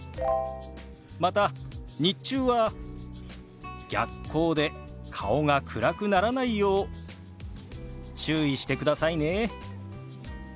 また日中は逆光で顔が暗くならないよう注意してくださいね。